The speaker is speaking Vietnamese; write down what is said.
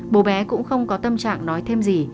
bố bé cũng không có tâm trạng nói thêm gì